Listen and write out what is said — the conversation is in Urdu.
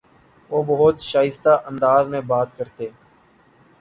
وہ بہت شائستہ انداز میں بات کرتے